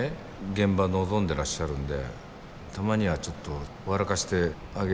現場臨んでらっしゃるんでたまにはちょっと笑かしてあげるのも必要だし。